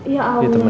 ya allah gak boleh